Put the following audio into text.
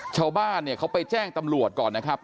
ชาวบ้านเนี่ยเขาไปแจ้งตำรวจก่อนนะครับ